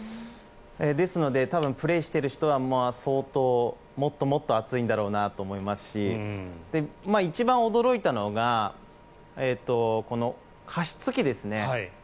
ですので、多分プレーしている人は相当もっともっと暑いんだろうなと思いますし一番驚いたのが加湿器ですね。